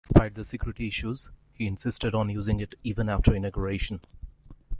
Despite the security issues, he insisted on using it even after inauguration.